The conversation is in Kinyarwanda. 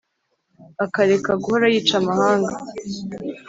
akareka guhora yica amahanga’